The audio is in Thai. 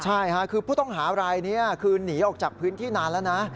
ใช่ค่ะคือผู้ต้องหารายนี้คือหนีออกจากพื้นที่นานแล้วนะ